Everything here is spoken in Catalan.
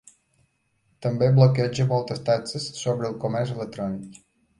També bloqueja moltes taxes sobre el comerç electrònic.